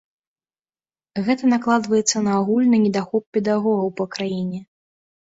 Гэта накладваецца на агульны недахоп педагогаў па краіне.